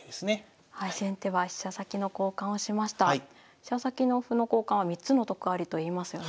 飛車先の歩の交換は３つの得ありといいますよね。